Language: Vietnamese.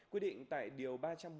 quy định tại điều ba trăm một mươi ba